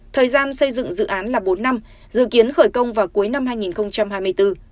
thời gian xây dựng dự án là bốn năm dự kiến khởi công vào cuối năm hai nghìn hai mươi bốn